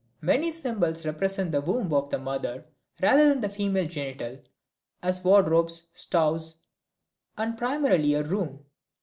Many symbols represent the womb of the mother rather than the female genital, as wardrobes, stoves, and primarily a room.